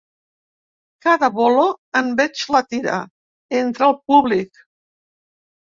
Cada bolo en veig la tira, entre el públic.